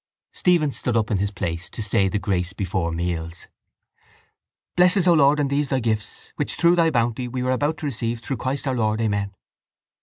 Stephen stood up in his place to say the grace before meals: _Bless us, O Lord, and these Thy gifts which through Thy bounty we are about to receive through Christ our Lord. Amen.